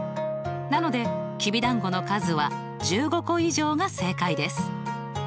なのできびだんごの数は１５個以上が正解です。